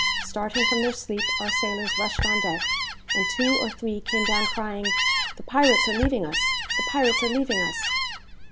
Starting from their sleep, our sailors rushed on deck, and two or three came down crying, "The pirates are leaving us! The pirates are leaving us!"